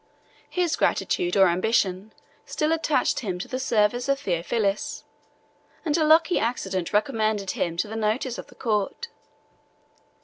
His gratitude or ambition still attached him to the service of Theophilus; and a lucky accident recommended him to the notice of the court.